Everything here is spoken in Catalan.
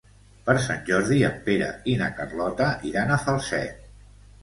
Per Sant Jordi en Pere i na Carlota iran a Falset.